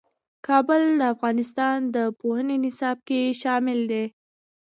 کابل د افغانستان د پوهنې نصاب کې شامل دي.